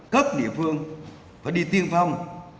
các địa phương phải đi tiên phong